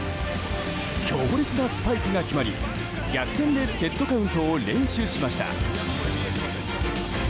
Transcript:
強烈なスパイクが決まり、逆転でセットカウントを連取しました。